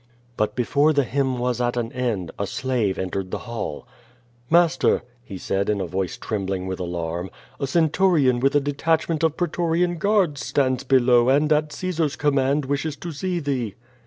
But before the hymn was at an end, a slave entered the hall. "Master,'* he said, in a voice trembling with alarm, " a cen turion with a detachment of pretorian guards stands below and at Caesar's command wishes to see thee."